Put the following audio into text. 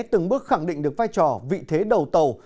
từng bước khẳng định được vai trò vị thế đầu tàu